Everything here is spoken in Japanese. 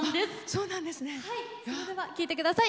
それでは聴いてください。